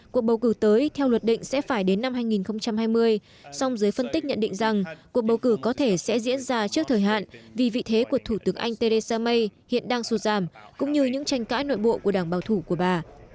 cuộc bầu cử tới theo luật định sẽ phải đến năm hai nghìn hai mươi song giới phân tích nhận định rằng cuộc bầu cử có thể sẽ diễn ra trước thời hạn vì vị thế của thủ tướng anh theresa may hiện đang sụt giảm cũng như những tranh cãi nội bộ của đảng bảo thủ của bà